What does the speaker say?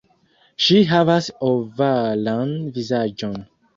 Ŝi havas ovalan vizaĝon.